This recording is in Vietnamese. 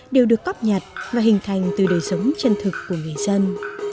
đều được cóp nhặt và hình thành từ đời sống chân thực của người dân